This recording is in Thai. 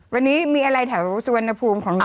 วันนี้มีอะไรแถวสวนภูมิของหนู